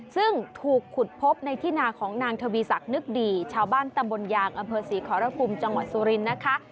ซึ่งถูกขุดพบในที่นาของนางทวีศักดิ์นึกดีชาวบ้านตำบลยางอำเภอศรีขอรพุมจังหวัดสุรินทร์นะคะ